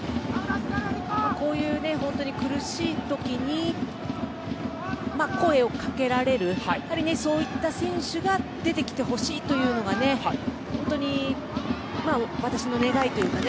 こういう苦しい時に声をかけられるそういった選手が出てきてほしいというのが本当に私の願いというか。